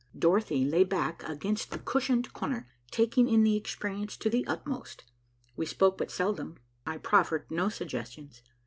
Dorothy lay back against the cushioned corner, taking in the experience to the utmost. We spoke but seldom. I proffered no suggestions.